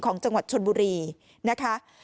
ของจังหวัดชนบุรีนะคะ